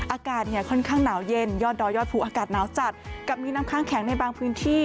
อากาศเนี่ยค่อนข้างหนาวเย็นยอดดอยยอดภูอากาศหนาวจัดกับมีน้ำค้างแข็งในบางพื้นที่